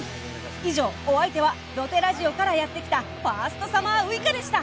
以上お相手は『土手ラジオ』からやって来たファーストサマーウイカでした